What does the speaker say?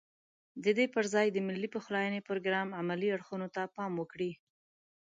ددې پرځای د ملي پخلاينې پروګرام عملي اړخونو ته پام وکړي.